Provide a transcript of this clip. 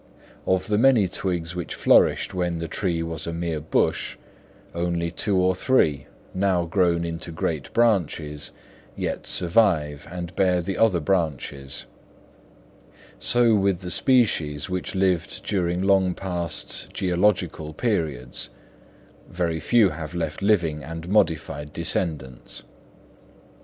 Of the many twigs which flourished when the tree was a mere bush, only two or three, now grown into great branches, yet survive and bear the other branches; so with the species which lived during long past geological periods, very few have left living and modified descendants.